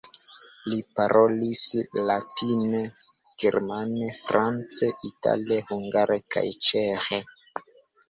Li parolis latine, germane, france, itale, hungare kaj ĉeĥe.